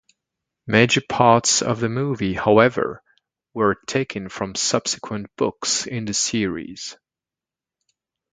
Major parts of the movie, however, were taken from subsequent books in the series.